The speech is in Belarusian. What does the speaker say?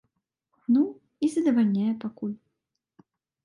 Ну, і задавальняе пакуль.